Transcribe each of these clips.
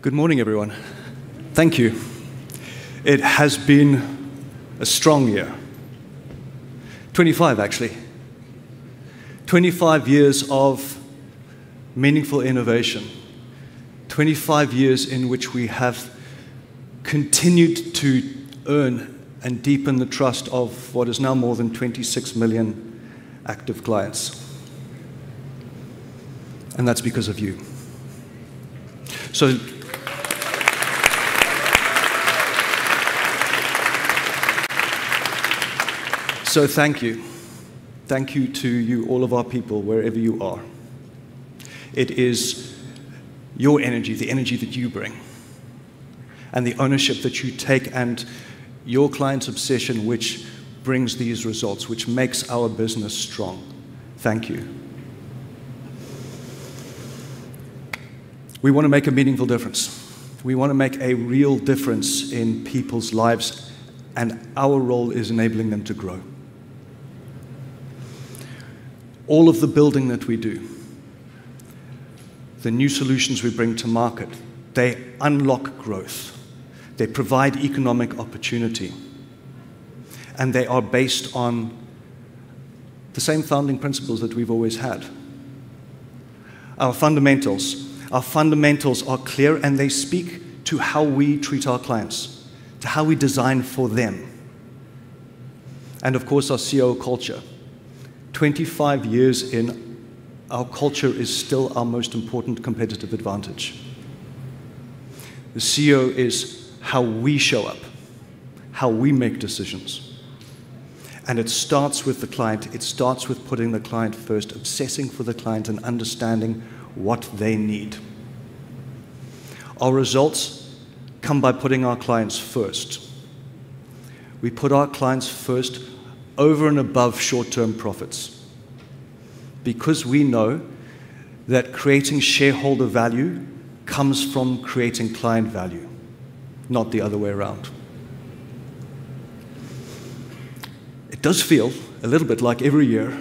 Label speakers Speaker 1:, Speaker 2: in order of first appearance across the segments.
Speaker 1: Good morning, everyone. Thank you. It has been a strong year. 25, actually. 25 years of meaningful innovation. 25 years in which we have continued to earn and deepen the trust of what is now more than 26 million active clients. That's because of you. Thank you. Thank you to you, all of our people, wherever you are. It is your energy, the energy that you bring, and the ownership that you take, and your client obsession which brings these results, which makes our business strong. Thank you. We want to make a meaningful difference. We want to make a real difference in people's lives, and our role is enabling them to grow. All of the building that we do, the new solutions we bring to market, they unlock growth, they provide economic opportunity, and they are based on the same founding principles that we've always had. Our fundamentals are clear, and they speak to how we treat our clients, to how we design for them. Of course, our CEO culture. 25 years in, our culture is still our most important competitive advantage. The CEO is how we show up, how we make decisions. It starts with the client. It starts with putting the client first, obsessing for the client, and understanding what they need. Our results come by putting our clients first. We put our clients first over and above short-term profits because we know that creating shareholder value comes from creating client value, not the other way around. It does feel a little bit like every year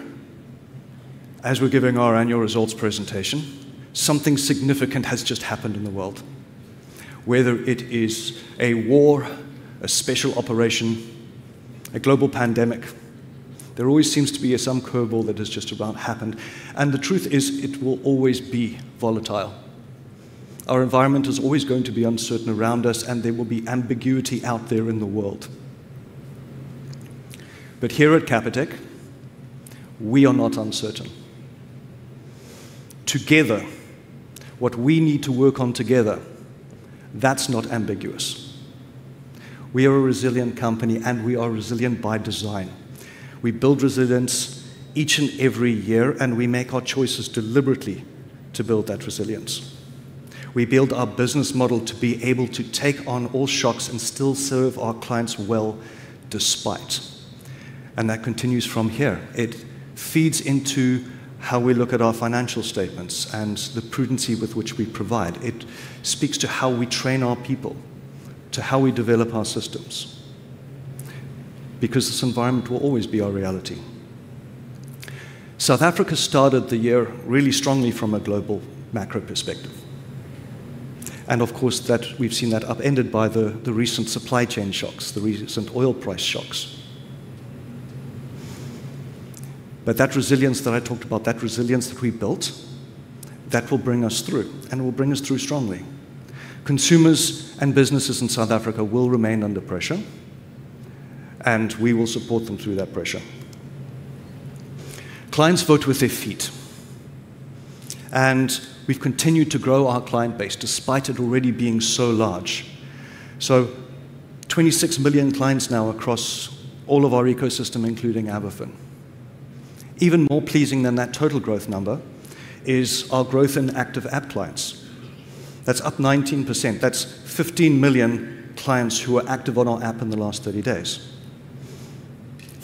Speaker 1: as we're giving our annual results presentation, something significant has just happened in the world. Whether it is a war, a special operation, a global pandemic, there always seems to be some kerfuffle that has just about happened. The truth is, it will always be volatile. Our environment is always going to be uncertain around us, and there will be ambiguity out there in the world. Here at Capitec, we are not uncertain. Together, what we need to work on together, that's not ambiguous. We are a resilient company, and we are resilient by design. We build resilience each and every year, and we make our choices deliberately to build that resilience. We build our business model to be able to take on all shocks and still serve our clients well despite. That continues from here. It feeds into how we look at our financial statements and the prudence with which we provide. It speaks to how we train our people, to how we develop our systems. Because this environment will always be our reality. South Africa started the year really strongly from a global macro perspective. Of course, we've seen that upended by the recent supply chain shocks, the recent oil price shocks. That resilience that I talked about, that resilience that we built, that will bring us through, and it will bring us through strongly. Consumers and businesses in South Africa will remain under pressure, and we will support them through that pressure. Clients vote with their feet, and we've continued to grow our client base despite it already being so large. 26 million clients now across all of our ecosystem, including AvaFin. Even more pleasing than that total growth number is our growth in active app clients. That's up 19%. That's 15 million clients who are active on our app in the last 30 days.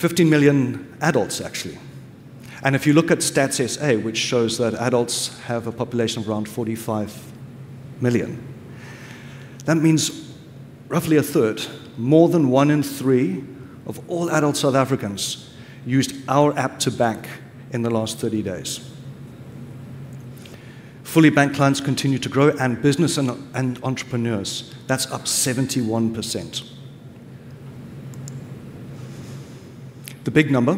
Speaker 1: 15 million adults, actually. If you look at Stats SA, which shows that adults have a population of around 45 million, that means roughly a third, more than one in three of all adult South Africans used our app to bank in the last 30 days. Fully bank clients continue to grow and business and entrepreneurs, that's up 71%. The big number,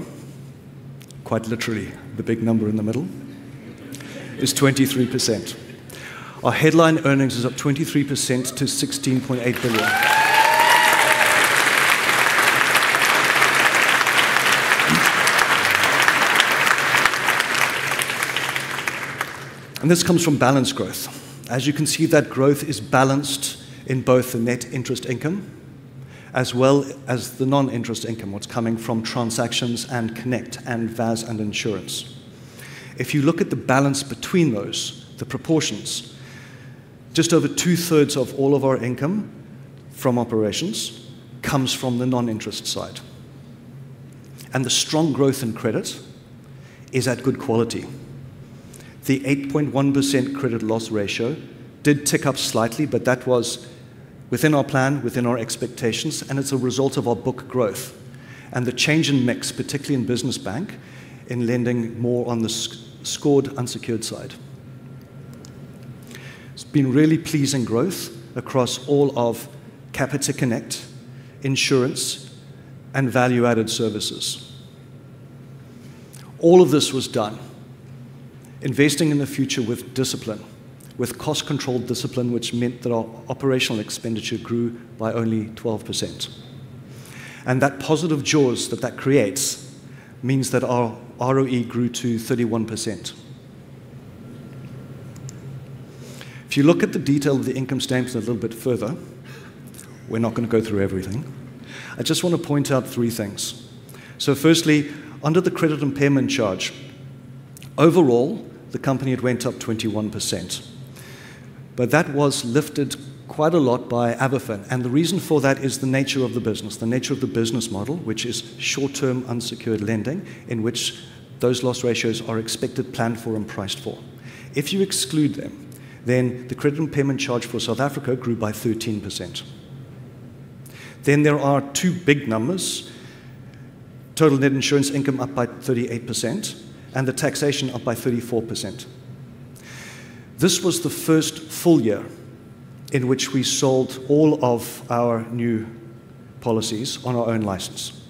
Speaker 1: quite literally the big number in the middle, is 23%. Our headline earnings is up 23% to 16.8 billion. This comes from balanced growth. As you can see, that growth is balanced in both the net interest income as well as the non-interest income, what's coming from transactions and Connect and VAS and insurance. If you look at the balance between those, the proportions, just over two-thirds of all of our income from operations comes from the non-interest side. The strong growth in credit is at good quality. The 8.1% credit loss ratio did tick up slightly, but that was within our plan, within our expectations, and it's a result of our book growth and the change in mix, particularly in business bank, in lending more on the scored unsecured side. It's been really pleasing growth across all of Capitec Connect, insurance, and Value-Added Services. All of this was done investing in the future with discipline, with cost-controlled discipline, which meant that our operational expenditure grew by only 12%. That positive jaws that creates means that our ROE grew to 31%. If you look at the detail of the income statement a little bit further, we're not going to go through everything. I just want to point out three things. Firstly, under the credit impairment charge, overall, the company had went up 21%, but that was lifted quite a lot by AvaFin. The reason for that is the nature of the business, the nature of the business model, which is short-term unsecured lending, in which those loss ratios are expected, planned for, and priced for. If you exclude them, then the credit impairment charge for South Africa grew by 13%. There are two big numbers, total net insurance income up by 38% and the tax income up by 34%. This was the first full year in which we sold all of our new policies on our own license.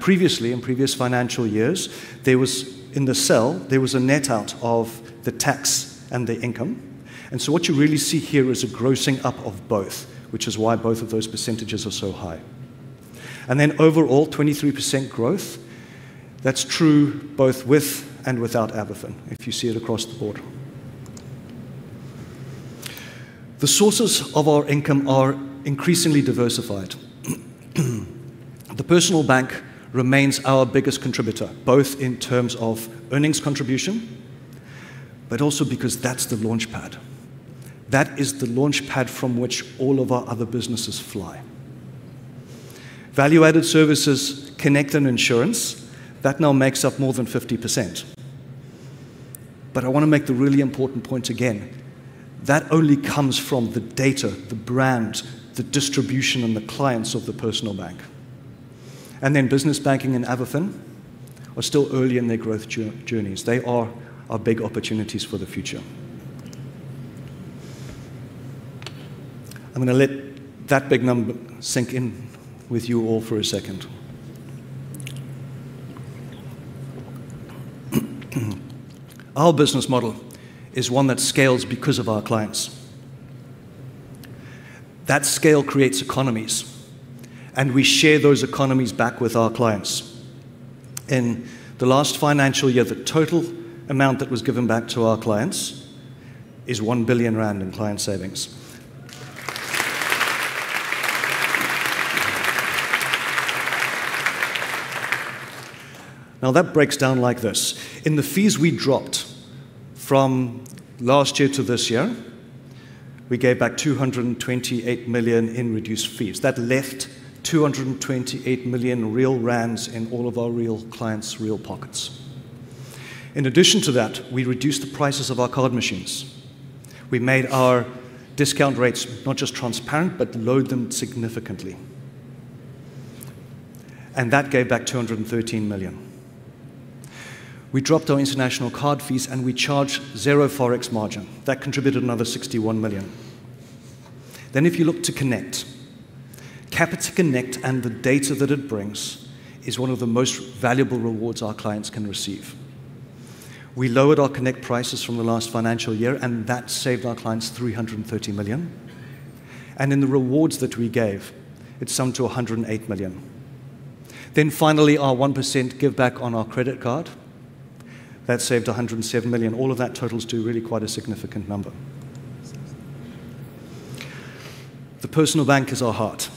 Speaker 1: Previously, in previous financial years, in the sale, there was a net outflow of the tax and the income. What you really see here is a grossing up of both, which is why both of those percentages are so high. Overall, 23% growth. That's true both with and without AvaFin, if you see it across the board. The sources of our income are increasingly diversified. The Personal Bank remains our biggest contributor, both in terms of earnings contribution, but also because that's the launch pad. That is the launch pad from which all of our other businesses fly. Value-Added Services, Connect and insurance, that now makes up more than 50%. I want to make the really important point again, that only comes from the data, the brand, the distribution, and the clients of the Personal Bank. Business Banking and AvaFin are still early in their growth journeys. They are our big opportunities for the future. I'm going to let that big number sink in with you all for a second. Our business model is one that scales because of our clients. That scale creates economies, and we share those economies back with our clients. In the last financial year, the total amount that was given back to our clients is 1 billion rand in client savings. Now, that breaks down like this. In the fees we dropped from last year to this year, we gave back 228 million in reduced fees. That left 228 million real rands in all of our real clients' real pockets. In addition to that, we reduced the prices of our card machines. We made our discount rates not just transparent, but lowered them significantly. That gave back 213 million. We dropped our international card fees, and we charged zero Forex margin. That contributed another 61 million. If you look to Connect, Capitec Connect and the data that it brings is one of the most valuable rewards our clients can receive. We lowered our Connect prices from the last financial year, and that saved our clients 330 million. In the rewards that we gave, it summed to 108 million. Finally, our 1% give back on our credit card, that saved 107 million. All of that totals to really quite a significant number. The Personal Bank is our heart.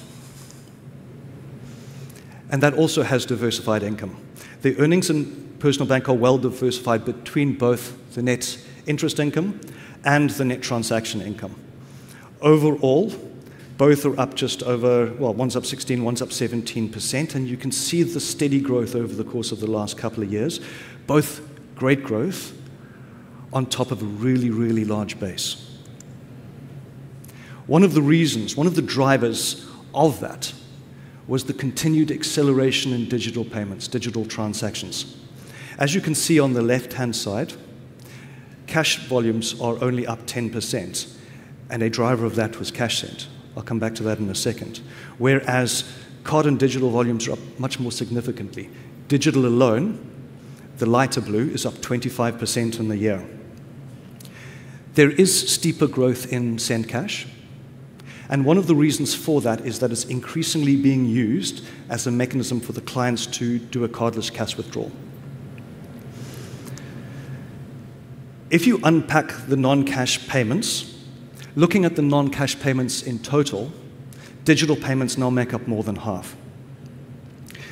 Speaker 1: That also has diversified income. The earnings in Personal Bank are well diversified between both the net interest income and the non-interest income. Overall, both are up just over. Well, one's up 16%, one's up 17%, and you can see the steady growth over the course of the last couple of years. Both great growth on top of a really, really large base. One of the reasons, one of the drivers of that was the continued acceleration in digital payments, digital transactions. As you can see on the left-hand side, cash volumes are only up 10%, and a driver of that was Cash Send. I'll come back to that in a second. Whereas card and digital volumes are up much more significantly. Digital alone, the lighter blue, is up 25% in the year. There is steeper growth in Cash Send, and one of the reasons for that is that it's increasingly being used as a mechanism for the clients to do a cardless cash withdrawal. If you unpack the non-cash payments, looking at the non-cash payments in total, digital payments now make up more than half.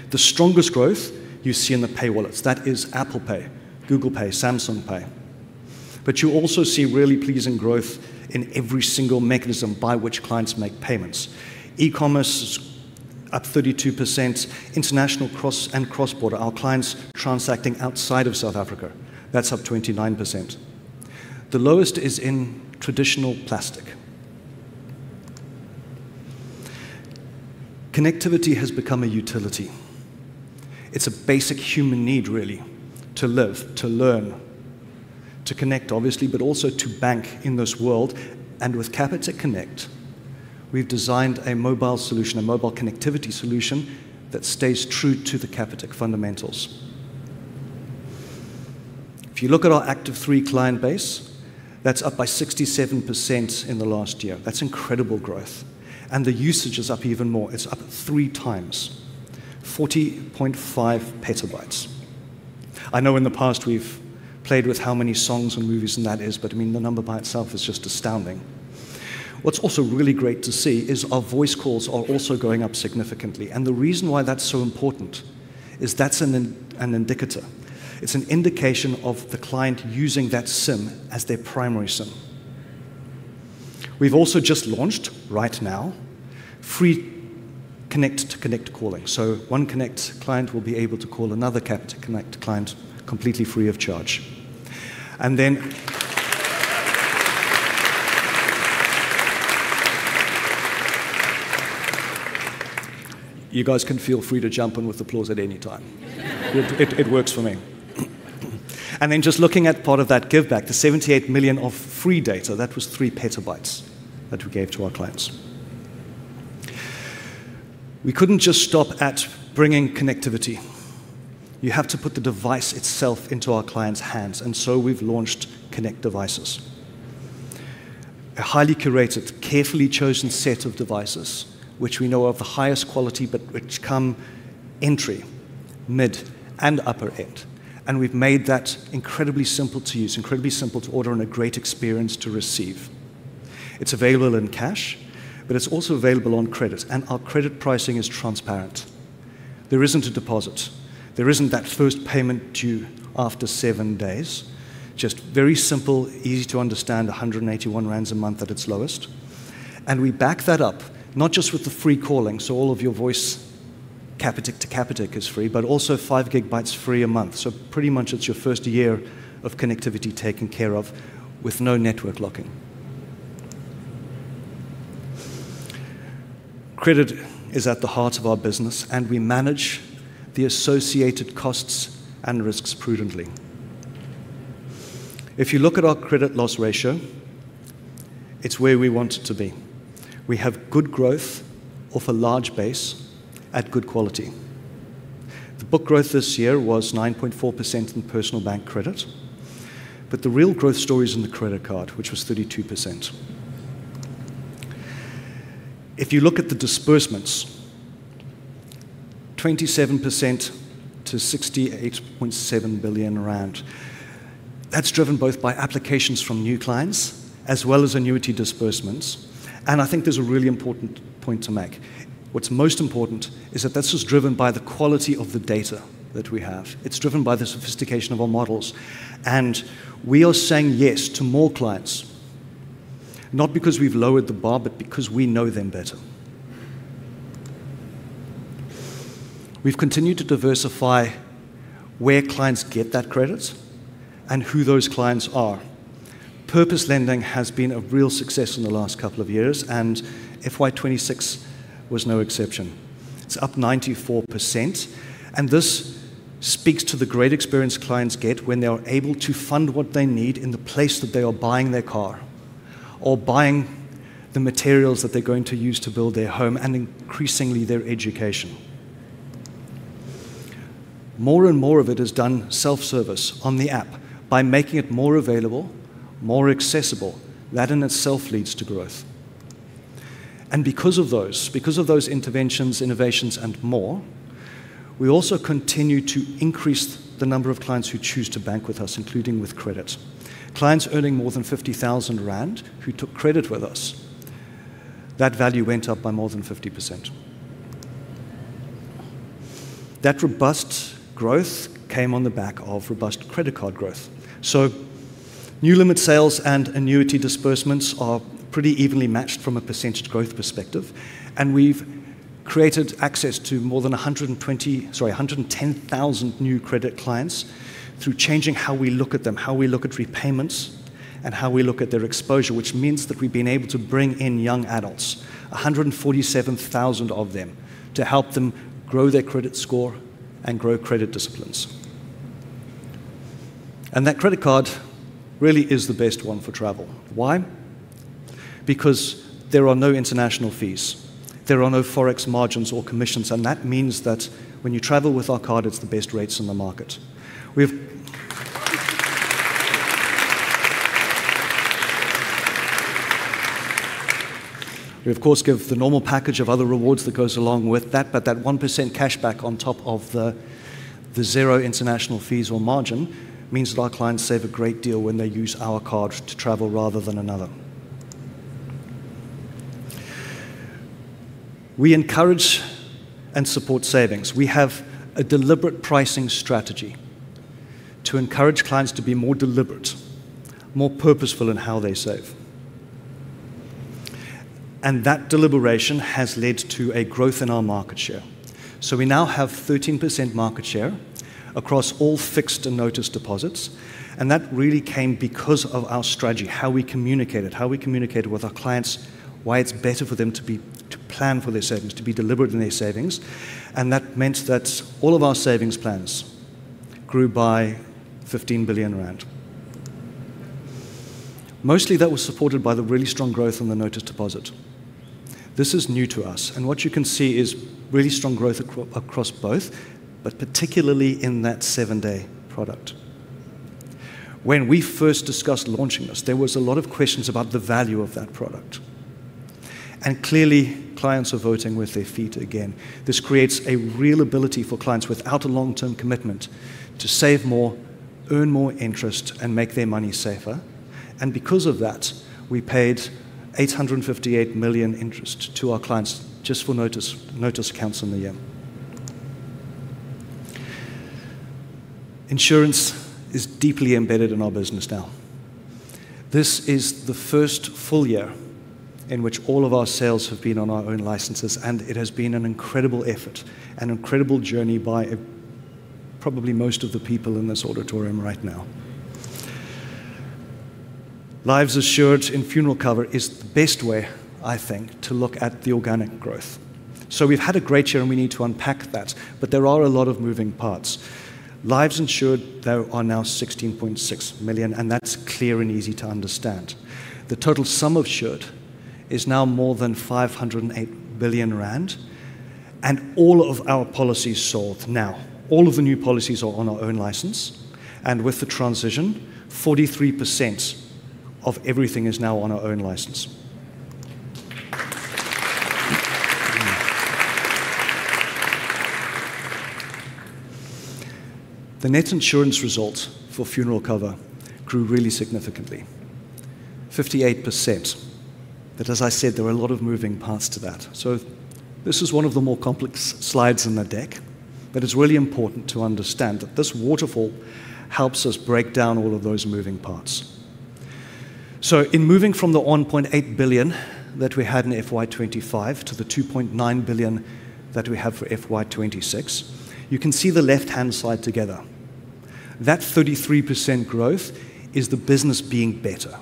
Speaker 1: The strongest growth you see in the pay wallets, that is Apple Pay, Google Pay, Samsung Pay. You also see really pleasing growth in every single mechanism by which clients make payments. E-commerce is up 32%, international and cross-border, our clients transacting outside of South Africa, that's up 29%. The lowest is in traditional plastic. Connectivity has become a utility. It's a basic human need, really, to live, to learn, to connect, obviously, but also to bank in this world. With Capitec Connect, we've designed a mobile solution, a mobile connectivity solution that stays true to the Capitec fundamentals. If you look at our Active 3 client base, that's up by 67% in the last year. That's incredible growth. The usage is up even more. It's up three times, 40.5 PB. I know in the past we've played with how many songs and movies and that is, but I mean, the number by itself is just astounding. What's also really really great to see is our voice calls are also going up significantly. The reason why that's so important is that's an indicator. It's an indication of the client using that SIM as their primary SIM. We've also just launched, right now, free Connect to Connect calling. One Connect client will be able to call another Capitec Connect client completely free of charge. Then you guys can feel free to jump in with applause at any time. It works for me. Then just looking at part of that giveback, the 78 million of free data, that was 3 PB that we gave to our clients. We couldn't just stop at bringing connectivity. You have to put the device itself into our clients' hands. We've launched Connect Devices. A highly curated, carefully chosen set of devices, which we know are of the highest quality, but which come entry, mid, and upper end. We've made that incredibly simple to use, incredibly simple to order, and a great experience to receive. It's available in cash, but it's also available on credit, and our credit pricing is transparent. There isn't a deposit. There isn't that first payment due after seven days. Just very simple, easy to understand, 181 rand a month at its lowest. We back that up not just with the free calling, so all of your voice Capitec to Capitec is free, but also 5 GB free a month. Pretty much it's your first year of connectivity taken care of with no network locking. Credit is at the heart of our business, and we manage the associated costs and risks prudently. If you look at our credit loss ratio, it's where we want it to be. We have good growth of a large base at good quality. The book growth this year was 9.4% in personal bank credit, but the real growth story is in the credit card, which was 32%. If you look at the disbursements, 27% to 68.7 billion rand. That's driven both by applications from new clients as well as annual disbursements. I think there's a really important point to make. What's most important is that this is driven by the quality of the data that we have. It's driven by the sophistication of our models. We are saying yes to more clients, not because we've lowered the bar, but because we know them better. We've continued to diversify where clients get that credit and who those clients are. Purpose lending has been a real success in the last couple of years, and FY 2026 was no exception. It's up 94%, and this speaks to the great experience clients get when they are able to fund what they need in the place that they are buying their car or buying the materials that they're going to use to build their home, and increasingly their education. More and more of it is done self-service on the app. By making it more available, more accessible, that in itself leads to growth. Because of those interventions, innovations, and more, we also continue to increase the number of clients who choose to bank with us, including with credit. Clients earning more than 50,000 rand who took credit with us, that value went up by more than 50%. That robust growth came on the back of robust credit card growth. New limit sales and annuity disbursements are pretty evenly matched from a percentage growth perspective. We've created access to more than 110,000 new credit clients through changing how we look at them, how we look at repayments, and how we look at their exposure, which means that we've been able to bring in young adults, 147,000 of them, to help them grow their credit score and grow credit disciplines. That credit card really is the best one for travel. Why? Because there are no international fees. There are no Forex margins or commissions, and that means that when you travel with our card, it's the best rates in the market. We of course give the normal package of other rewards that goes along with that. That 1% cashback on top of the zero international fees or margin means that our clients save a great deal when they use our card to travel rather than another. We encourage and support savings. We have a deliberate pricing strategy to encourage clients to be more deliberate, more purposeful in how they save. That deliberation has led to a growth in our market share. We now have 13% market share across all fixed and notice deposits, and that really came because of our strategy, how we communicated with our clients, why it's better for them to plan for their savings, to be deliberate in their savings, and that meant that all of our savings plans grew by 15 billion rand. Mostly that was supported by the really strong growth in the notice deposit. This is new to us, and what you can see is really strong growth across both, but particularly in that seven-day product. When we first discussed launching this, there was a lot of questions about the value of that product, and clearly clients are voting with their feet again. This creates a real ability for clients without a long-term commitment to save more, earn more interest, and make their money safer. Because of that, we paid 858 million interest to our clients just for notice accounts in the year. Insurance is deeply embedded in our business now. This is the first full year in which all of our sales have been on our own licenses, and it has been an incredible effort, an incredible journey by probably most of the people in this auditorium right now. Lives assured in funeral cover is the best way, I think, to look at the organic growth. We've had a great year, and we need to unpack that, but there are a lot of moving parts. Lives insured though are now 16.6 million, and that's clear and easy to understand. The total sum insured is now more than 508 billion rand, and all of our policies sold now, all of the new policies are on our own license, and with the transition, 43% of everything is now on our own license. The net insurance result for funeral cover grew really significantly 58%, but as I said, there were a lot of moving parts to that. This is one of the more complex slides in the deck, but it's really important to understand that this waterfall helps us break down all of those moving parts. In moving from the 1.8 billion that we had in FY 2025 to the 2.9 billion that we have for FY 2026, you can see the left-hand side together. That 33% growth is the business being better.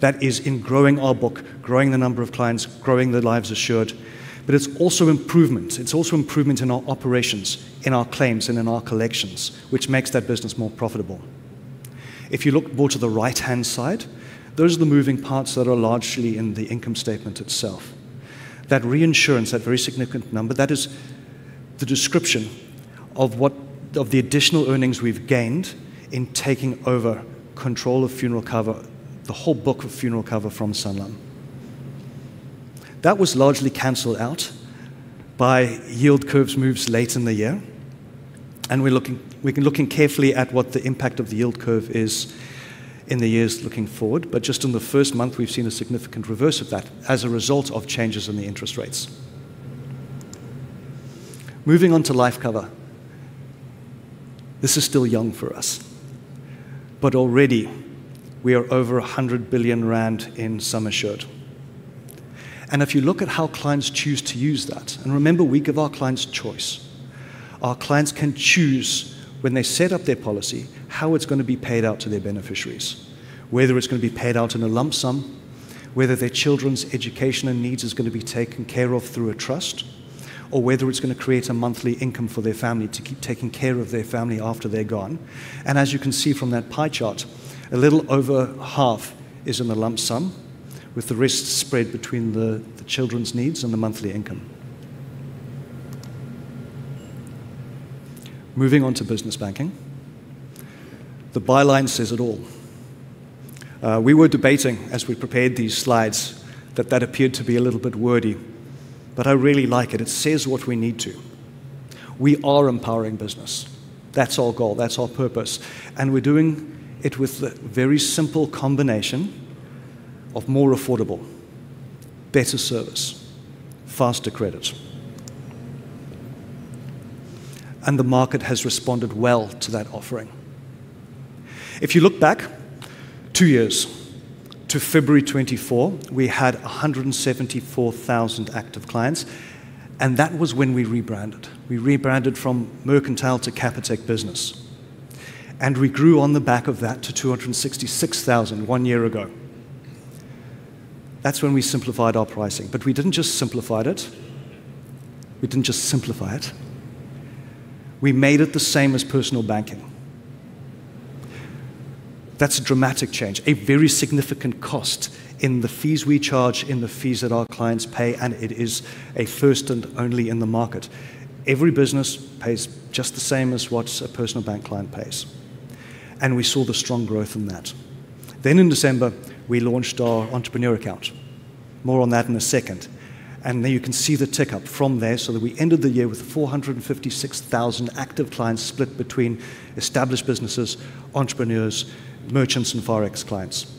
Speaker 1: That is in growing our book, growing the number of clients, growing their lives assured, but it's also improvement. It's also improvement in our operations, in our claims, and in our collections, which makes that business more profitable. If you look more to the right-hand side, those are the moving parts that are largely in the income statement itself. That reinsurance, that very significant number, that is the description of the additional earnings we've gained in taking over control of funeral cover, the whole book of funeral cover from Sanlam. That was largely canceled out by yield curves moves late in the year, and we're looking carefully at what the impact of the yield curve is in the years looking forward. Just in the first month, we've seen a significant reverse of that as a result of changes in the interest rates. Moving on to life cover. This is still young for us. Already we are over 100 billion rand in sum assured. If you look at how clients choose to use that, and remember, we give our clients choice. Our clients can choose when they set up their policy, how it's going to be paid out to their beneficiaries, whether it's going to be paid out in a lump sum, whether their children's education and needs is going to be taken care of through a trust, or whether it's going to create a monthly income for their family to keep taking care of their family after they're gone. As you can see from that pie chart, a little over half is in the lump sum with the risk spread between the children's needs and the monthly income. Moving on to Business Banking. The byline says it all. We were debating as we prepared these slides that that appeared to be a little bit wordy, but I really like it. It says what we need to. We are empowering business. That's our goal. That's our purpose. We're doing it with a very simple combination of more affordable, better service, faster credit. The market has responded well to that offering. If you look back two years to February 2024, we had 174,000 active clients, and that was when we rebranded. We rebranded from Mercantile to Capitec Business, and we grew on the back of that to 266,000 one year ago. That's when we simplified our pricing. We didn't just simplify it. We made it the same as personal banking. That's a dramatic change, a very significant cost in the fees we charge, in the fees that our clients pay, and it is a first and only in the market. Every business pays just the same as what a personal bank client pays. We saw the strong growth in that. In December, we launched our entrepreneur account. More on that in a second. There you can see the tick up from there, so that we ended the year with 456,000 active clients split between established businesses, entrepreneurs, merchants, and Forex clients.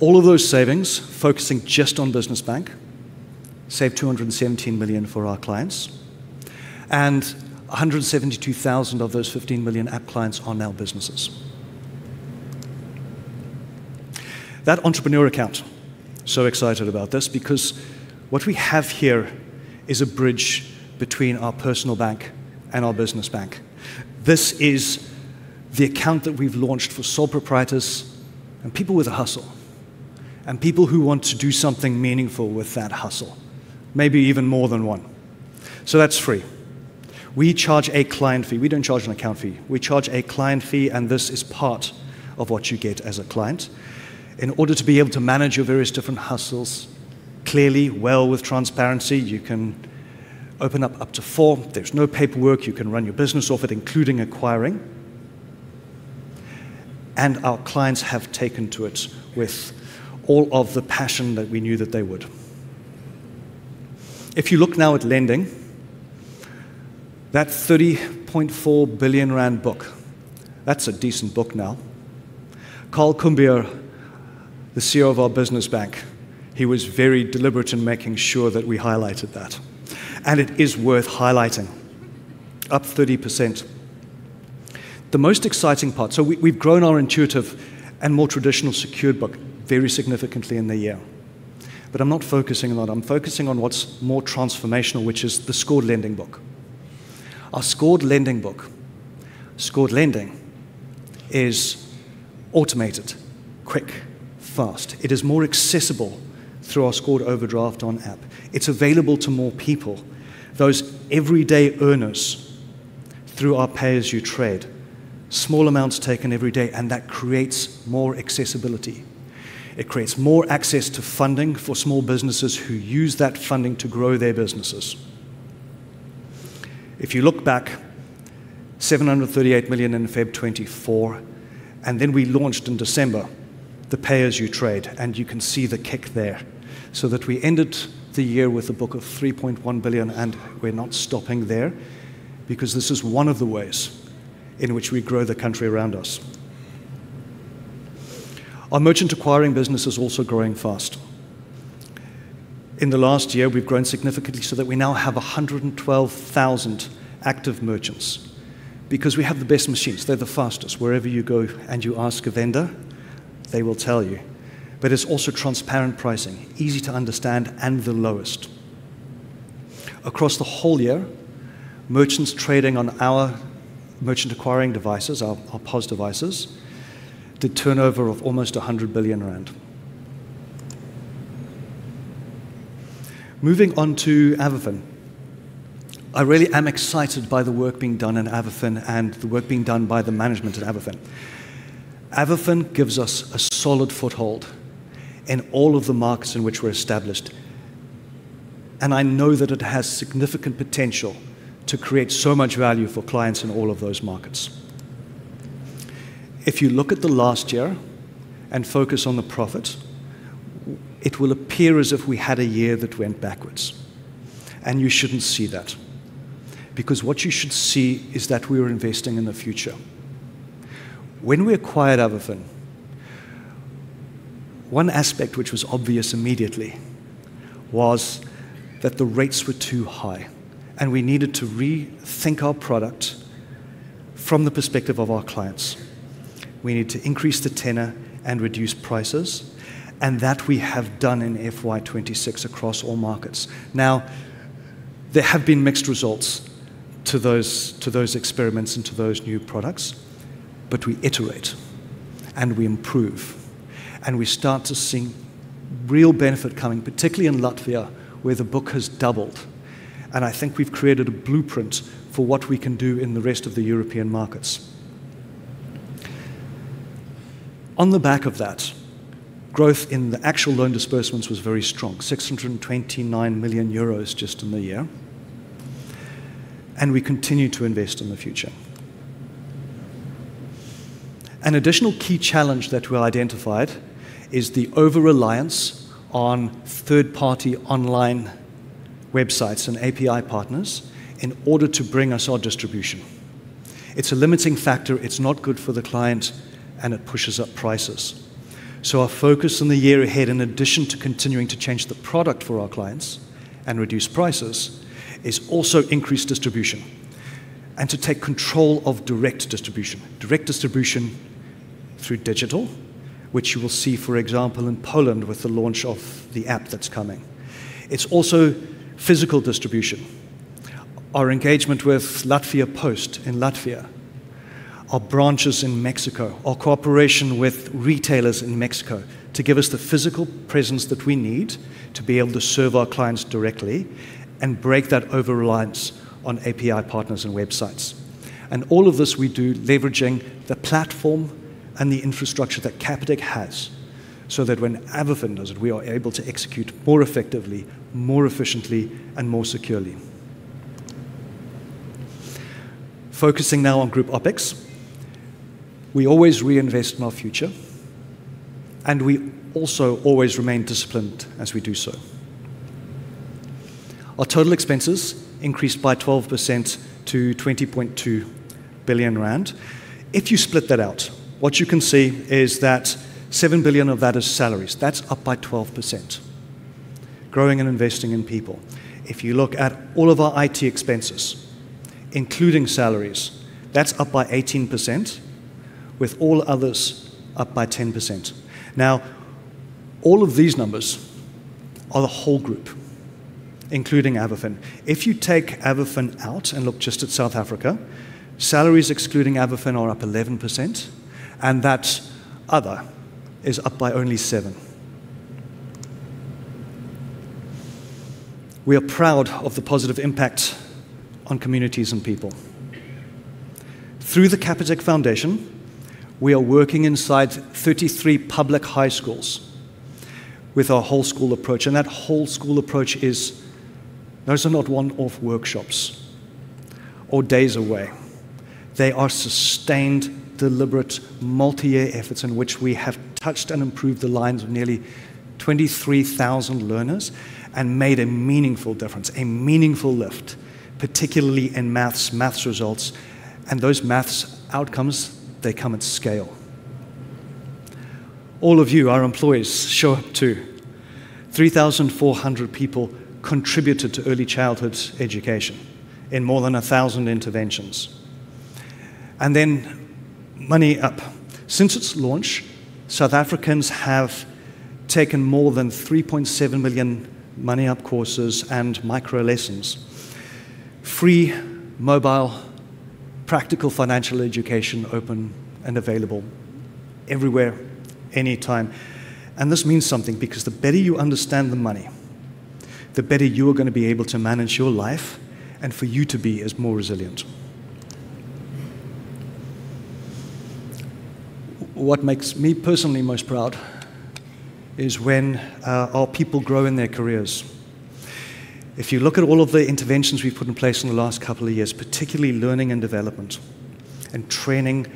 Speaker 1: All of those savings focusing just on business bank, saved 217 million for our clients, and 172,000 of those 15 million app clients are now businesses. That entrepreneur account, so excited about this because what we have here is a bridge between our personal bank and our business bank. This is the account that we've launched for sole proprietors and people with a hustle, and people who want to do something meaningful with that hustle. Maybe even more than one. That's free. We charge a client fee. We don't charge an account fee. We charge a client fee, and this is part of what you get as a client. In order to be able to manage your various different hustles clearly, well with transparency, you can open up to four. There's no paperwork. You can run your business off it, including acquiring. Our clients have taken to it with all of the passion that we knew that they would. If you look now at lending, that 30.4 billion rand book, that's a decent book now. Karl Coombes, the CEO of our business bank, he was very deliberate in making sure that we highlighted that. It is worth highlighting. Up 30%. The most exciting part, so we've grown our unsecured and more traditional secured book very significantly in the year. I'm not focusing on that. I'm focusing on what's more transformational, which is the scored lending book. Our scored lending book. Scored lending is automated, quick, fast. It is more accessible through our scored overdraft on app. It's available to more people, those everyday earners through our Pay As You Trade. Small amounts taken every day, and that creates more accessibility. It creates more access to funding for small businesses who use that funding to grow their businesses. If you look back 738 million in February 2024, and then we launched in December the Pay As You Trade, and you can see the kick there. That we ended the year with a book of 3.1 billion, and we're not stopping there because this is one of the ways in which we grow the country around us. Our merchant acquiring business is also growing fast. In the last year, we've grown significantly so that we now have 112,000 active merchants because we have the best machines. They're the fastest. Wherever you go and you ask a vendor, they will tell you. It's also transparent pricing, easy to understand, and the lowest. Across the whole year, merchants trading on our merchant acquiring devices, our POS devices, did turnover of almost ZAR 100 billion. Moving on to AvaFin. I really am excited by the work being done in AvaFin and the work being done by the management at AvaFin. AvaFin gives us a solid foothold in all of the markets in which we're established. I know that it has significant potential to create so much value for clients in all of those markets. If you look at the last year and focus on the profit, it will appear as if we had a year that went backwards, and you shouldn't see that because what you should see is that we are investing in the future. When we acquired AvaFin, one aspect which was obvious immediately was that the rates were too high and we needed to rethink our product from the perspective of our clients. We need to increase the tenor and reduce prices, and that we have done in FY 2026 across all markets. Now, there have been mixed results to those experiments and to those new products, but we iterate and we improve, and we start to see real benefit coming, particularly in Latvia where the book has doubled. I think we've created a blueprint for what we can do in the rest of the European markets. On the back of that, growth in the actual loan disbursements was very strong, 629 million euros just in the year, and we continue to invest in the future. An additional key challenge that we identified is the overreliance on third-party online websites and API partners in order to bring us our distribution. It's a limiting factor. It's not good for the client, and it pushes up prices. Our focus in the year ahead, in addition to continuing to change the product for our clients and reduce prices, is also increased distribution and to take control of direct distribution. Direct distribution through digital, which you will see, for example, in Poland with the launch of the app that's coming. It's also physical distribution. Our engagement with Latvijas Pasts in Latvia, our branches in Mexico, our cooperation with retailers in Mexico to give us the physical presence that we need to be able to serve our clients directly and break that overreliance on API partners and websites. All of this we do leveraging the platform and the infrastructure that Capitec has so that when AvaFin does it, we are able to execute more effectively, more efficiently, and more securely. Focusing now on group OpEx. We always reinvest in our future, and we also always remain disciplined as we do so. Our total expenses increased by 12% to 20.2 billion rand. If you split that out, what you can see is that 7 billion of that is salaries. That's up by 12%. Growing and investing in people. If you look at all of our IT expenses, including salaries, that's up by 18%, with all others up by 10%. Now, all of these numbers are the whole group, including AvaFin. If you take AvaFin out and look just at South Africa, salaries excluding AvaFin are up 11%, and that other is up by only 7%. We are proud of the positive impact on communities and people. Through the Capitec Foundation, we are working inside 33 public high schools with our whole school approach, and that whole school approach is, those are not one-off workshops or days away. They are sustained, deliberate, multi-year efforts in which we have touched and improved the lives of nearly 23,000 learners and made a meaningful difference, a meaningful lift, particularly in math results. Those math outcomes, they come at scale. All of you, our employees, show up too. 3,400 people contributed to early childhood education in more than 1,000 interventions. MoneyUp. Since its launch, South Africans have taken more than 3.7 million MoneyUp courses and micro lessons. Free mobile, practical financial education open and available everywhere, anytime. This means something because the better you understand the money, the better you are going to be able to manage your life and for you to be as more resilient. What makes me personally most proud is when our people grow in their careers. If you look at all of the interventions we've put in place in the last couple of years, particularly learning and development and training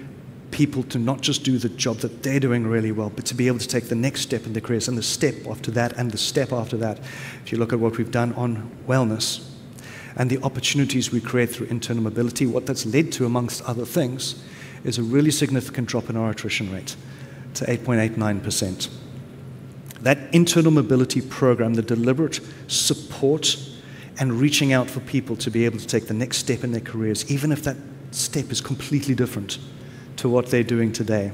Speaker 1: people to not just do the job that they're doing really well, but to be able to take the next step in their careers, and the step after that, and the step after that. If you look at what we've done on wellness and the opportunities we create through internal mobility, what that's led to, among other things, is a really significant drop in our attrition rate to 8.89%. That internal mobility program, the deliberate support and reaching out for people to be able to take the next step in their careers, even if that step is completely different to what they're doing today,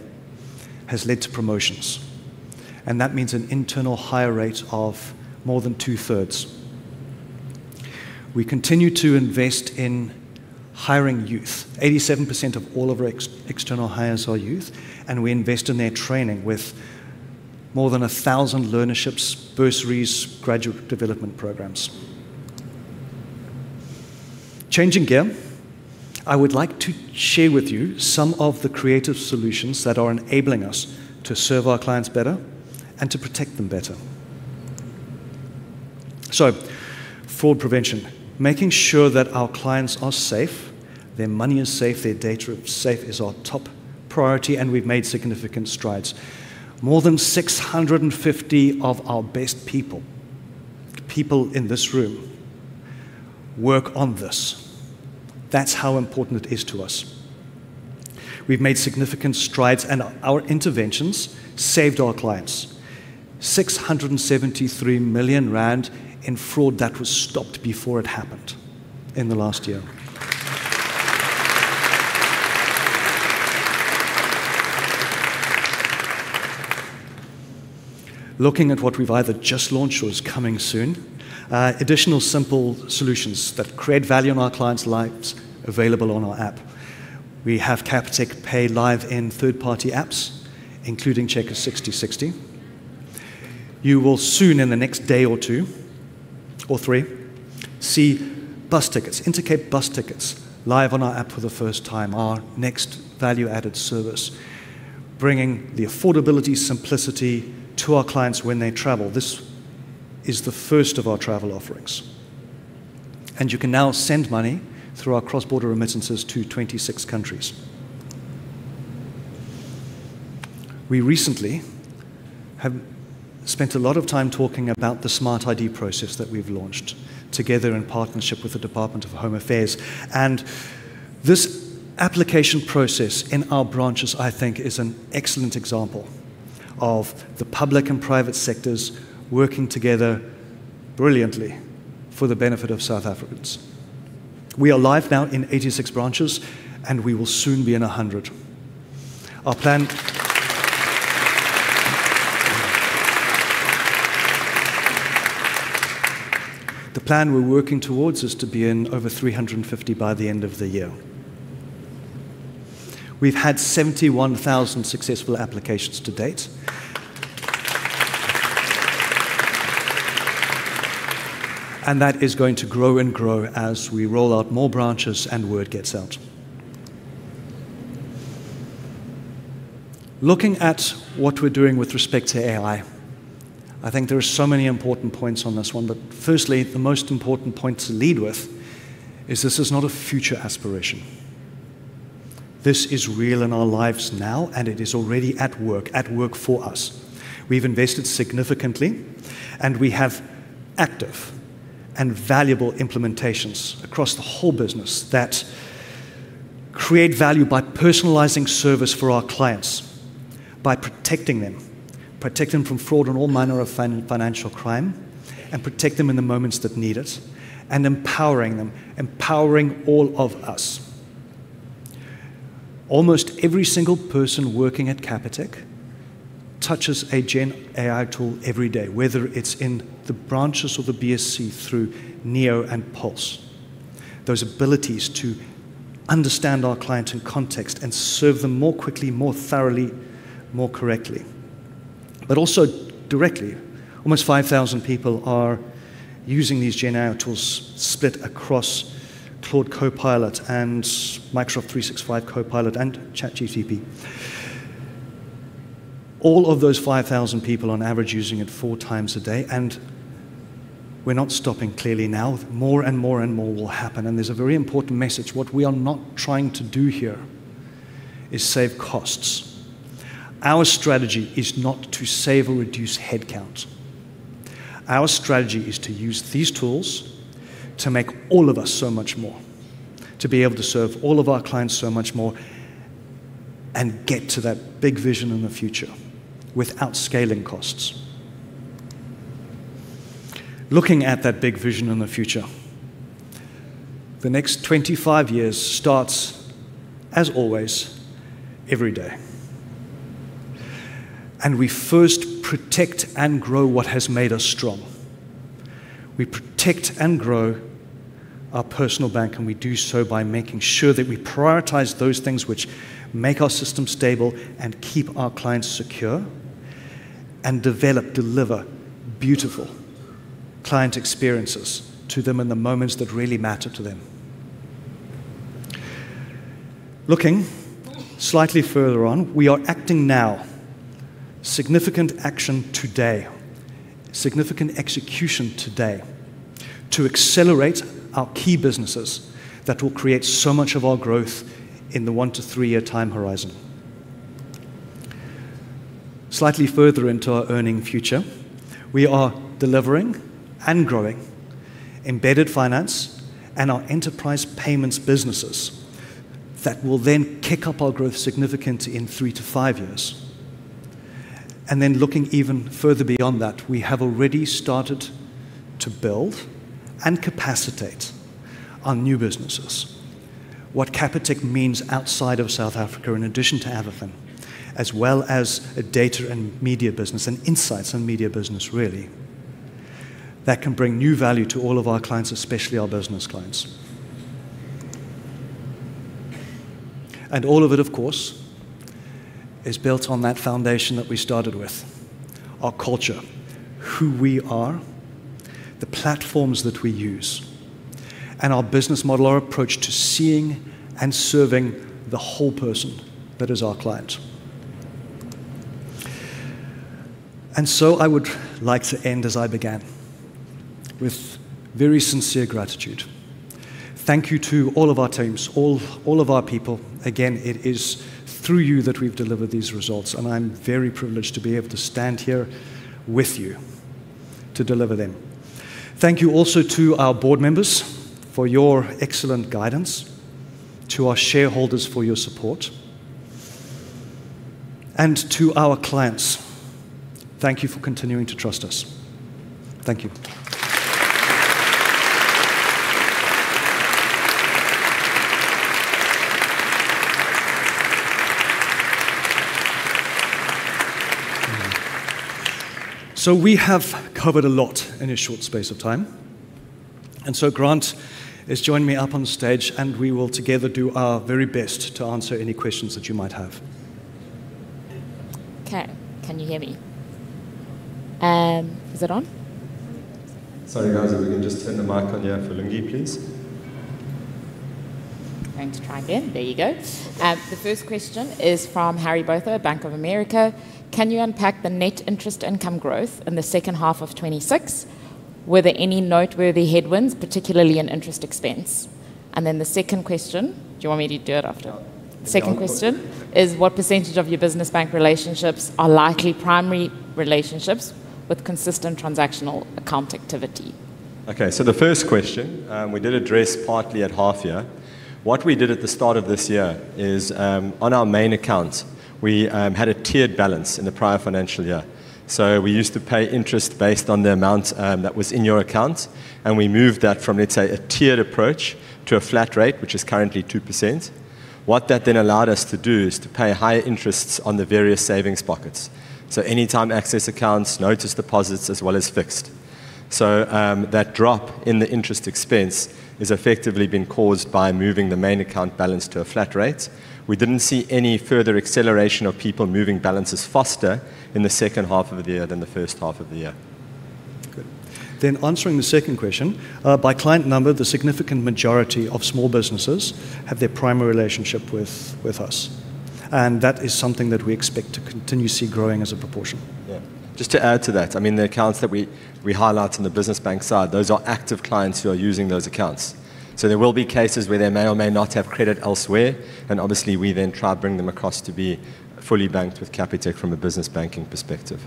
Speaker 1: has led to promotions. That means an internal hire rate of more than two-thirds. We continue to invest in hiring youth. 87% of all of our external hires are youth, and we invest in their training with more than 1,000 learnerships, bursaries, graduate development programs. Changing gear, I would like to share with you some of the creative solutions that are enabling us to serve our clients better and to protect them better. Fraud prevention, making sure that our clients are safe, their money is safe, their data is safe, is our top priority, and we've made significant strides. More than 650 of our best people in this room, work on this. That's how important it is to us. We've made significant strides, and our interventions saved our clients 673 million rand in fraud that was stopped before it happened in the last year. Looking at what we've either just launched or is coming soon, additional simple solutions that create value in our clients' lives available on our app. We have Capitec Pay live in third-party apps, including Checkers Sixty60. You will soon, in the next day or two or three, see bus tickets, Intercape bus tickets, live on our app for the first time, our next value-added service, bringing the affordability simplicity to our clients when they travel. This is the first of our travel offerings. You can now send money through our cross-border remittances to 26 countries. We recently have spent a lot of time talking about the Smart ID process that we've launched together in partnership with the Department of Home Affairs. This application process in our branches, I think, is an excellent example of the public and private sectors working together brilliantly for the benefit of South Africans. We are live now in 86 branches, and we will soon be in 100. The plan we're working towards is to be in over 350 by the end of the year. We've had 71,000 successful applications to date. That is going to grow and grow as we roll out more branches and word gets out. Looking at what we're doing with respect to AI, I think there are so many important points on this one. Firstly, the most important point to lead with is this is not a future aspiration. This is real in our lives now, and it is already at work for us. We've invested significantly, and we have active and valuable implementations across the whole business that create value by personalizing service for our clients, by protecting them from fraud and all manner of financial crime, and protect them in the moments that need it, and empowering them, empowering all of us. Almost every single person working at Capitec touches a gen AI tool every day, whether it's in the branches of the BSC through Neo and Pulse. Those abilities to understand our client in context and serve them more quickly, more thoroughly, more correctly. Also directly, almost 5,000 people are using these gen AI tools split across Claude Copilot and Microsoft 365 Copilot and ChatGPT. All of those 5,000 people on average using it four times a day, and we're not stopping clearly now. More and more and more will happen, and there's a very important message. What we are not trying to do here is save costs. Our strategy is not to save or reduce headcounts. Our strategy is to use these tools to make all of us so much more, to be able to serve all of our clients so much more, and get to that big vision in the future without scaling costs. Looking at that big vision in the future, the next 25 years starts, as always, every day. We first protect and grow what has made us strong. We protect and grow our personal bank, and we do so by making sure that we prioritize those things which make our system stable and keep our clients secure, and develop, deliver beautiful client experiences to them in the moments that really matter to them. Looking slightly further on, we are acting now. Significant action today, significant execution today to accelerate our key businesses that will create so much of our growth in the one-three-year time horizon. Slightly further into our earning future, we are delivering and growing embedded finance and our enterprise payments businesses that will then kick up our growth significantly in three-five years. Looking even further beyond that, we have already started to build and capacitate our new businesses. What Capitec means outside of South Africa in addition to AvaFin, as well as a data and media business and insights and media business, really, that can bring new value to all of our clients, especially our business clients. All of it, of course, is built on that foundation that we started with. Our culture, who we are, the platforms that we use, and our business model, our approach to seeing and serving the whole person that is our client. I would like to end as I began, with very sincere gratitude. Thank you to all of our teams, all of our people. Again, it is through you that we've delivered these results, and I'm very privileged to be able to stand here with you to deliver them. Thank you also to our board members for your excellent guidance, to our shareholders for your support, and to our clients, thank you for continuing to trust us. Thank you. We have covered a lot in a short space of time. Grant has joined me up on stage, and we will together do our very best to answer any questions that you might have.
Speaker 2: Okay. Can you hear me? Is it on?
Speaker 3: Sorry, guys. If we can just turn the mic on here for Lungi, please.
Speaker 2: Going to try again. There you go. The first question is from Harry Botha, Bank of America. Can you unpack the net interest income growth in the second half of 2026? Were there any noteworthy headwinds, particularly in interest expense? The second question, do you want me to do it after?
Speaker 1: Yeah.
Speaker 2: The second question is, what percentage of your business bank relationships are likely primary relationships with consistent transactional account activity?
Speaker 3: Okay, the first question, we did address partly at half year. What we did at the start of this year is, on our main accounts, we had a tiered balance in the prior financial year. We used to pay interest based on the amount that was in your account, and we moved that from, let's say, a tiered approach to a flat rate, which is currently 2%. What that then allowed us to do is to pay higher interests on the various savings pockets. Anytime access accounts, notice deposits, as well as fixed. That drop in the interest expense has effectively been caused by moving the main account balance to a flat rate. We didn't see any further acceleration of people moving balances faster in the second half of the year than the first half of the year.
Speaker 1: Good. Answering the second question, by client number, the significant majority of small businesses have their primary relationship with us. That is something that we expect to continue to see growing as a proportion.
Speaker 3: Yeah. Just to add to that, the accounts that we highlight on the business bank side, those are active clients who are using those accounts. There will be cases where they may or may not have credit elsewhere, and obviously, we then try to bring them across to be fully banked with Capitec from a business banking perspective.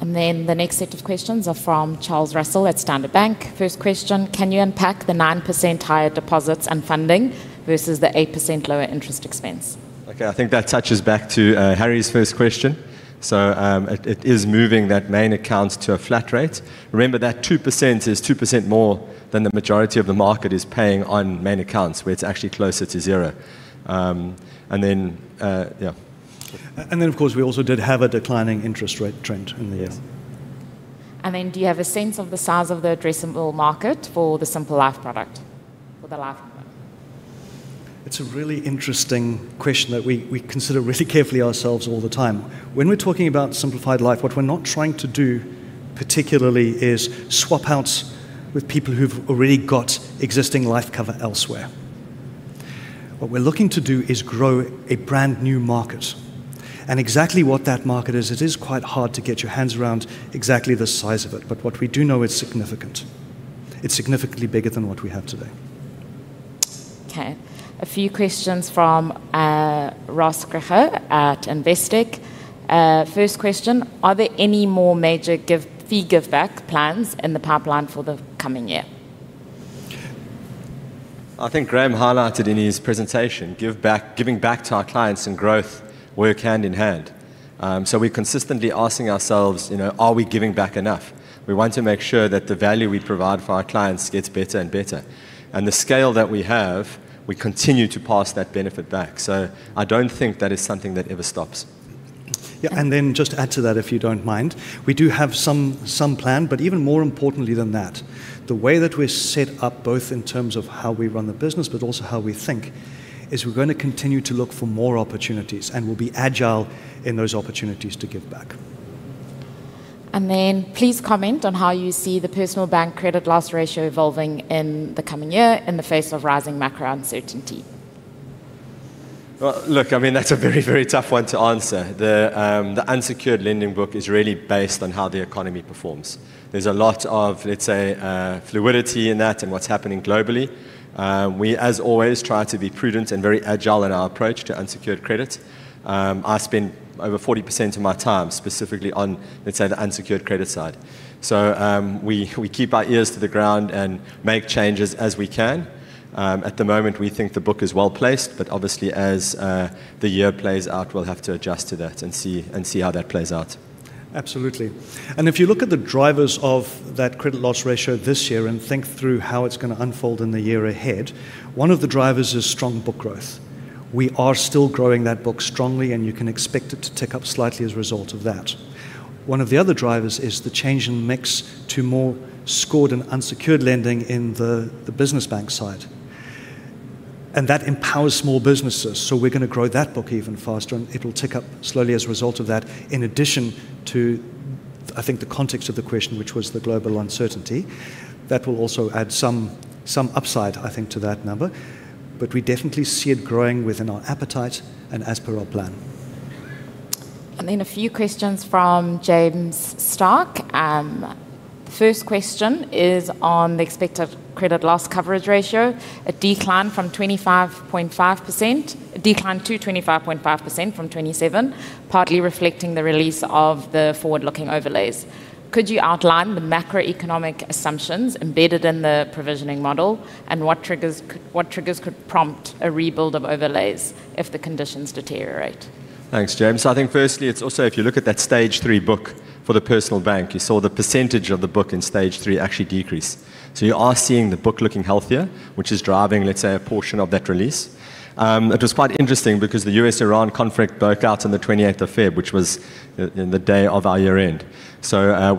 Speaker 2: The next set of questions are from Charles Russell at Standard Bank. First question, can you unpack the 9% higher deposits and funding versus the 8% lower interest expense?
Speaker 3: Okay. I think that touches back to Harry's first question. It is moving that main account to a flat rate. Remember that 2% is 2% more than the majority of the market is paying on main accounts, where it's actually closer to zero. Yeah.
Speaker 1: Of course, we also did have a declining interest rate trend in the year.
Speaker 2: Do you have a sense of the size of the addressable market for the Simple Life product? For the life product.
Speaker 1: It's a really interesting question that we consider really carefully ourselves all the time. When we're talking about Simplified Life, what we're not trying to do particularly is swap out with people who've already got existing life cover elsewhere. What we're looking to do is grow a brand-new market. Exactly what that market is, it is quite hard to get your hands around exactly the size of it. What we do know, it's significant. It's significantly bigger than what we have today.
Speaker 2: Okay. A few questions from Ross Krige at Investec. First question, are there any more major fee giveback plans in the pipeline for the coming year?
Speaker 3: I think Graham highlighted in his presentation, giving back to our clients and growth work hand in hand. We're consistently asking ourselves, are we giving back enough? We want to make sure that the value we provide for our clients gets better and better. The scale that we have, we continue to pass that benefit back. I don't think that is something that ever stops.
Speaker 1: Yeah. Just to add to that, if you don't mind. We do have some plan, but even more importantly than that, the way that we're set up, both in terms of how we run the business but also how we think, is we're going to continue to look for more opportunities, and we'll be agile in those opportunities to give back.
Speaker 2: Please comment on how you see the personal bank credit loss ratio evolving in the coming year in the face of rising macro uncertainty?
Speaker 3: Well, look, that's a very, very tough one to answer. The unsecured lending book is really based on how the economy performs. There's a lot of, let's say, fluidity in that and what's happening globally. We, as always, try to be prudent and very agile in our approach to unsecured credit. I spend over 40% of my time specifically on, let's say, the unsecured credit side. We keep our ears to the ground and make changes as we can. At the moment, we think the book is well-placed, but obviously, as the year plays out, we'll have to adjust to that and see how that plays out.
Speaker 1: Absolutely. If you look at the drivers of that credit loss ratio this year and think through how it's going to unfold in the year ahead, one of the drivers is strong book growth. We are still growing that book strongly, and you can expect it to tick up slightly as a result of that. One of the other drivers is the change in mix to more scored and unsecured lending in the business bank side. That empowers small businesses. We're going to grow that book even faster, and it'll tick up slowly as a result of that. In addition, too, I think, the context of the question, which was the global uncertainty that will also add some upside, I think, to that number. We definitely see it growing within our appetite and as per our plan.
Speaker 2: A few questions from James Starke. First question is on the expected credit loss coverage ratio, a decline to 25.5% from 27%, partly reflecting the release of the forward-looking overlays. Could you outline the macroeconomic assumptions embedded in the provisioning model, and what triggers could prompt a rebuild of overlays if the conditions deteriorate?
Speaker 3: Thanks, James. I think firstly, it's also if you look at that stage three book for the personal bank, you saw the percentage of the book in stage three actually decrease. You are seeing the book looking healthier, which is driving, let's say, a portion of that release. It was quite interesting because the U.S.-Iran conflict broke out on the 28th of February, which was the day of our year-end.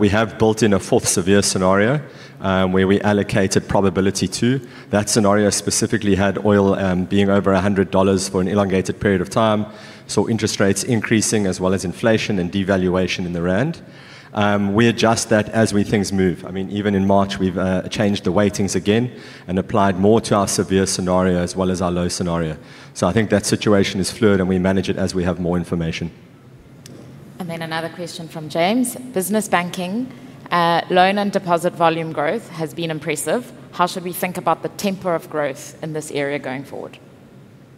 Speaker 3: We have built in a fourth severe scenario, where we allocated probability two. That scenario specifically had oil being over $100 for an elongated period of time, saw interest rates increasing as well as inflation and devaluation in the rand. We adjust that as things move. Even in March, we've changed the weightings again and applied more to our severe scenario as well as our low scenario. I think that situation is fluid, and we manage it as we have more information.
Speaker 2: Another question from James. Business banking, loan and deposit volume growth has been impressive. How should we think about the tempo of growth in this area going forward?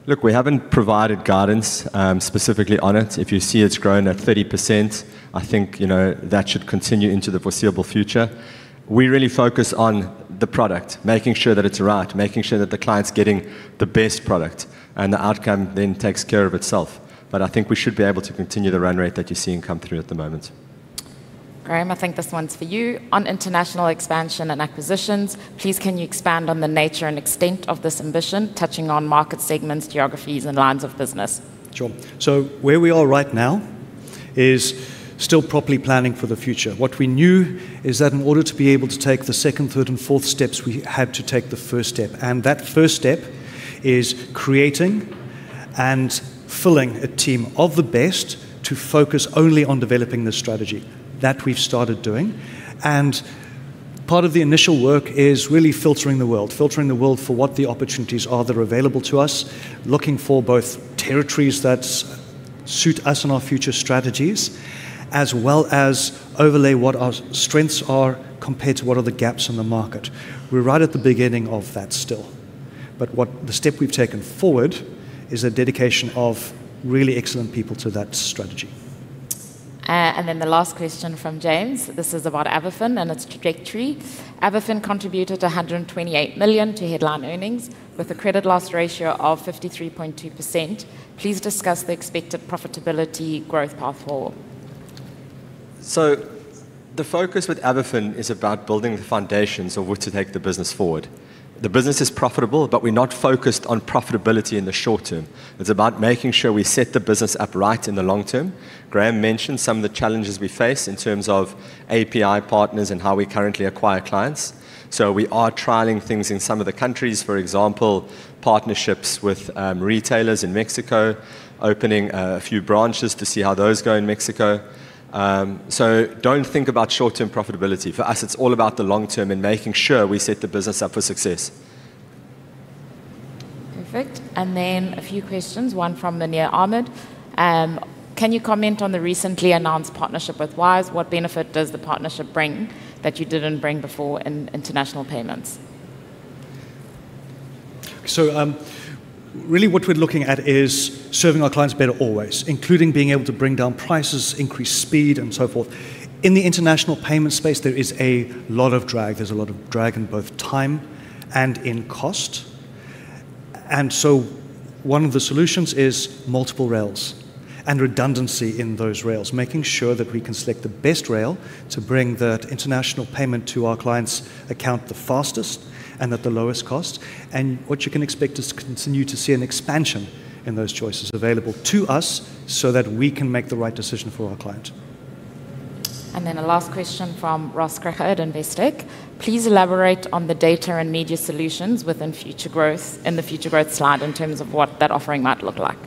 Speaker 3: Look, we haven't provided guidance specifically on it. If you see it's grown at 30%, I think that should continue into the foreseeable future. We really focus on the product, making sure that it's right, making sure that the client's getting the best product. And the outcome then takes care of itself. I think we should be able to continue the run rate that you're seeing come through at the moment.
Speaker 2: Graham, I think this one's for you. On international expansion and acquisitions, please can you expand on the nature and extent of this ambition, touching on market segments, geographies, and lines of business?
Speaker 1: Sure. Where we are right now is still properly planning for the future. What we knew is that in order to be able to take the second, third, and fourth steps, we had to take the first step. That first step is creating and filling a team of the best to focus only on developing the strategy. That we've started doing. Part of the initial work is really filtering the world for what the opportunities are that are available to us, looking for both territories that suit us and our future strategies, as well as overlay what our strengths are compared to what are the gaps in the market. We're right at the beginning of that still. The step we've taken forward is a dedication of really excellent people to that strategy.
Speaker 2: The last question from James. This is about AvaFin and its trajectory. AvaFin contributed 128 million to headline earnings with a credit loss ratio of 53.2%. Please discuss the expected profitability growth path forward?
Speaker 3: The focus with AvaFin is about building the foundations of which to take the business forward. The business is profitable, but we're not focused on profitability in the short term. It's about making sure we set the business up right in the long term. Graham mentioned some of the challenges we face in terms of API partners and how we currently acquire clients. We are trialing things in some of the countries, for example, partnerships with retailers in Mexico, opening a few branches to see how those go in Mexico. Don't think about short-term profitability. For us, it's all about the long term and making sure we set the business up for success.
Speaker 2: Perfect. Then a few questions, one from Linnea Ahmed. Can you comment on the recently announced partnership with Wise? What benefit does the partnership bring that you didn't bring before in international payments?
Speaker 1: Really what we're looking at is serving our clients better always, including being able to bring down prices, increase speed, and so forth. In the international payment space, there is a lot of drag. There's a lot of drag in both time and in cost. One of the solutions is multiple rails and redundancy in those rails, making sure that we can select the best rail to bring that international payment to our client's account the fastest and at the lowest cost. What you can expect is to continue to see an expansion in those choices available to us so that we can make the right decision for our clients.
Speaker 2: A last question from Ross Krige, Investec. Please elaborate on the data and media solutions in the future growth slide in terms of what that offering might look like.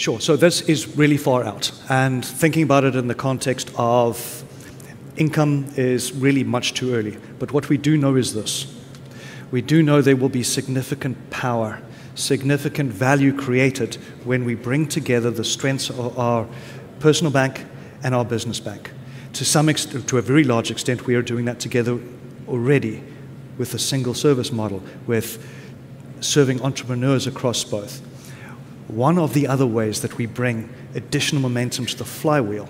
Speaker 1: Sure. This is really far out, and thinking about it in the context of income is really much too early. What we do know is this. We do know there will be significant power, significant value created when we bring together the strengths of our personal bank and our business bank. To a very large extent, we are doing that together already with a single service model, with serving entrepreneurs across both. One of the other ways that we bring additional momentum to the flywheel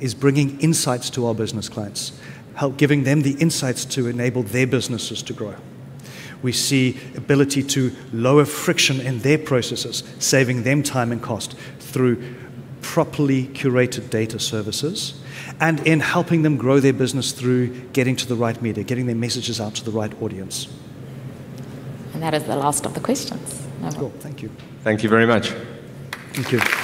Speaker 1: is bringing insights to our business clients, giving them the insights to enable their businesses to grow. We see ability to lower friction in their processes, saving them time and cost through properly curated data services and in helping them grow their business through getting to the right media, getting their messages out to the right audience.
Speaker 2: That is the last of the questions.
Speaker 1: That's cool. Thank you.
Speaker 3: Thank you very much.
Speaker 1: Thank you.